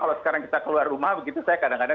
kalau sekarang kita keluar rumah begitu saya kadang kadang